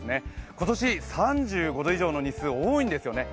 今年３５度以上の日数多いんですよね。